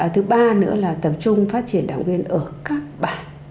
thứ ba nữa là tập trung phát triển đảng viên ở các bản